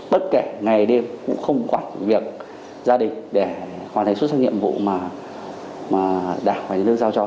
bất kể ngày đêm cũng không quản việc gia đình để hoàn thành xuất sắc nhiệm vụ mà đảng và nhà nước giao cho